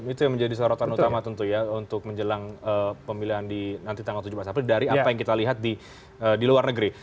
itu yang menjadi sorotan utama tentu ya untuk menjelang pemilihan di nanti tanggal tujuh belas april dari apa yang kita lihat di luar negeri